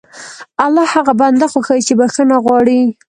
الله هغه بنده خوښوي چې بښنه غواړي.